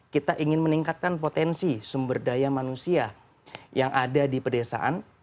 kita ingin meningkatkan potensi sumber daya manusia yang ada di pedesaan